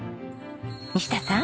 西田さん